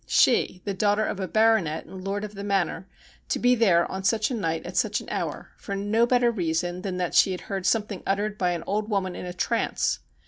She, the daughter of a baronet and lord of the manor, to be there on such a night at such an hour for no better reason than that she had heard something uttered by an old woman in a trance